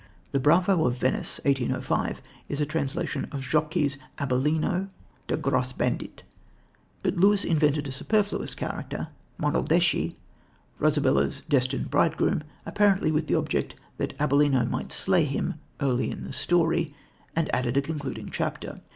The Bravo of Venice (1805) is a translation of Zschokke's Abellino, der Grosse Bandit, but Lewis invented a superfluous character, Monaldeschi, Rosabella's destined bridegroom, apparently with the object that Abellino might slay him early in the story and added a concluding chapter.